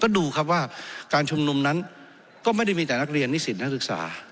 ดูครับว่าการชุมนุมนั้นก็ไม่ได้มีแต่นักเรียนนิสิตนักศึกษา